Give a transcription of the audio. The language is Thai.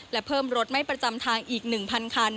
และเพิ่มรถไม่ประจำทางอีก๑๐๐คัน